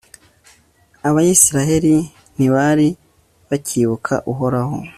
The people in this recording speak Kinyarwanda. abayisraheli ntibari bacyibuka uhoraho